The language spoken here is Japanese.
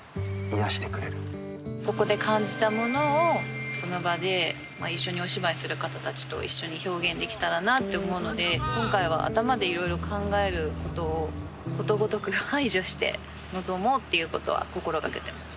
ここで感じたものをその場で一緒にお芝居する方たちと一緒に表現できたらなと思うので今回は頭でいろいろ考えることをことごとく排除して臨もうっていうことは心がけてます。